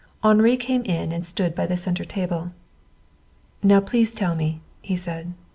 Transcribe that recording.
Henri came in and stood by the center table. "Now, please tell me," he said.